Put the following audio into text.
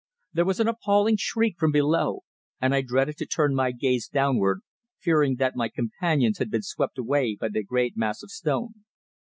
There was an appalling shriek from below, and I dreaded to turn my gaze downward, fearing that my companions had been swept away by the great mass of stone.